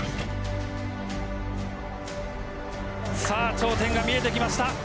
さあ頂点が見えてきました。